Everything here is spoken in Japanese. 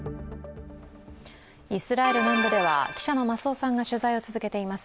イスラエル南部では記者の増尾さんが取材を続けています。